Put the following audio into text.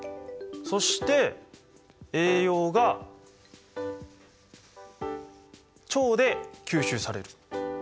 そして栄養が腸で吸収される。